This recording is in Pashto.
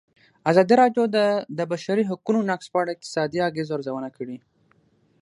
ازادي راډیو د د بشري حقونو نقض په اړه د اقتصادي اغېزو ارزونه کړې.